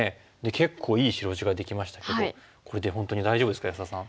結構いい白地ができましたけどこれで本当に大丈夫ですか安田さん。